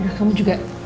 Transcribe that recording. udah kamu juga